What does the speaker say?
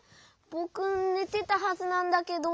ぼくねてたはずなんだけど。